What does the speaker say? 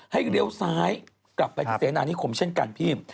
เลี้ยวซ้ายกลับไปที่เสนานิคมเช่นกันพี่